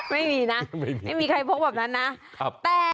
ไม่มีนะไม่มีใครพกแบบนั้นนะ